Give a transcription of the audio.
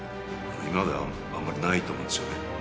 今まではあんまりないと思うんですよね